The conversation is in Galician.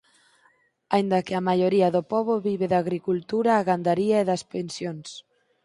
Aínda que a maioría do pobo vive da agricultura a gandaría e das pensións.